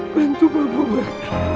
bantu papa mbak